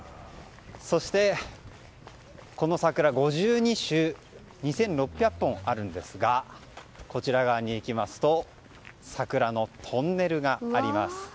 そして、この桜５２種２６００本あるんですがこちら側に行きますと桜のトンネルがあります。